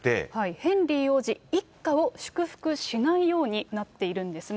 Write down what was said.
ヘンリー王子一家を祝福しないようになっているんですね。